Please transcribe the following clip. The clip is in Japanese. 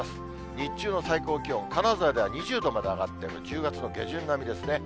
日中の最高気温、金沢では２０度まで上がって、１０月の下旬並みですね。